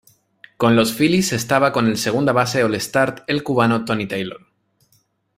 Con los Phillies estaba con el segunda base All-Start el cubano Tony Taylor.